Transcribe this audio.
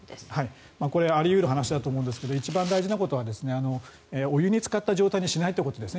あり得る話だと思いますが一番大事なことはお湯につかった状態にしないということですね。